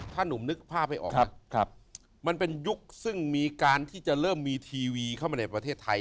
ถ้าหนุ่มนึกภาพให้ออกนะมันเป็นยุคซึ่งมีการที่จะเริ่มมีทีวีเข้ามาในประเทศไทย